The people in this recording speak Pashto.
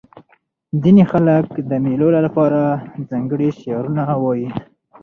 ځیني خلک د مېلو له پاره ځانګړي شعرونه وايي.